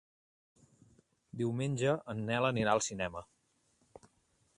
Diumenge en Nel anirà al cinema.